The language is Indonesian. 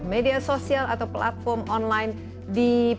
media sosial atau platform online dipilih karena dapat menyebutkan